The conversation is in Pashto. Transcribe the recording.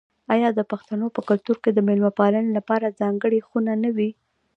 آیا د پښتنو په کلتور کې د میلمه پالنې لپاره ځانګړې خونه نه وي؟